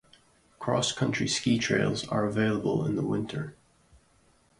Cross-country ski trails are available in the winter.